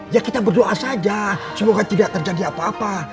ya kita berdoa saja semoga tidak terjadi apa apa